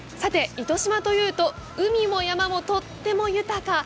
糸島というと、海も山もとっても豊か。